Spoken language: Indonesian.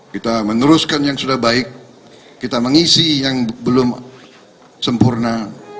kita meneruskan yang sudah baik kita mengisi yang belum sempurna